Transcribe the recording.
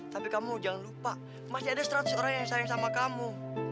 tapi kamu jangan lupa masih ada seratus orang yang sayang sama kamu